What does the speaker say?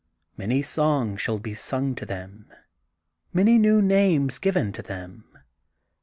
Many songs shall be sung to them, many new names given to them.